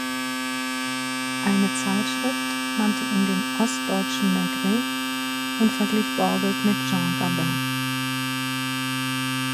Eine Zeitschrift nannte ihn den „ostdeutschen Maigret“ und verglich Borgelt mit Jean Gabin.